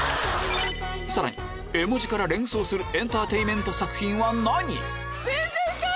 さらに絵文字から連想するエンターテインメント作品は何？